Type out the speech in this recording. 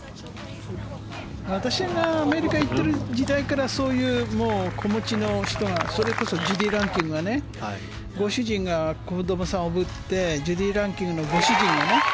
私がアメリカ行ってる時代からそういう子持ちの人がそれこそランキングはご主人が子供さんを負ぶってランキングのご主人がね。